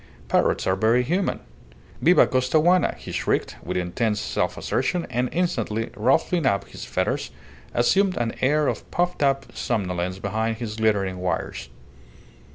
Parrots are very human. "Viva Costaguana!" he shrieked, with intense self assertion, and, instantly ruffling up his feathers, assumed an air of puffed up somnolence behind the glittering wires.